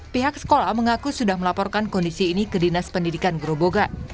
pihak sekolah mengaku sudah melaporkan kondisi ini ke dinas pendidikan gerobogan